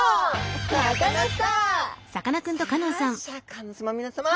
さあシャーク香音さまみなさま。